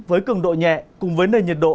với cường độ nhẹ cùng với nền nhiệt độ